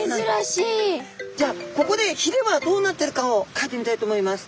じゃあここでひれはどうなってるかをかいてみたいと思います。